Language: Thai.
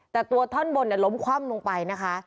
แต่ตัวท่อนบนล้มคว่ำลงไปนะคะ